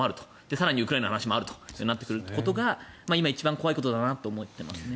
更に、ウクライナの話もあるとなってくることが今、一番怖いことだなと思っています。